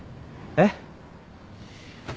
えっ？